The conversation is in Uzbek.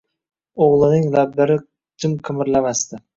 O‘g‘lining lablari jim qimirlamasdi.